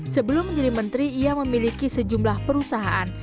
sebelum menjadi menteri ia memiliki sejumlah perusahaan